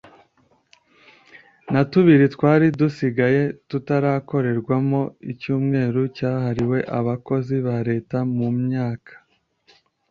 na tubiri twari dusigaye tutarakorerwamo icyumweru cyahariwe abakozi ba leta mu myaka